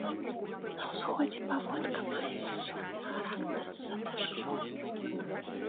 На ўсходзе паводка мае сезонны характар з-за дажджоў.